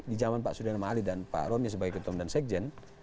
di zaman pak sudirah darma'li dan pak roni sebagai ketua umum dan sekjen